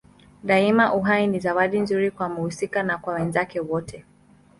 Daima uhai ni zawadi nzuri kwa mhusika na kwa wenzake wote.